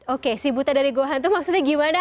oke si buta dari gua hantu maksudnya gimana